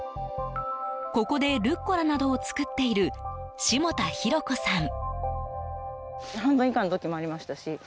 ここでルッコラなどを作っている霜多浩子さん。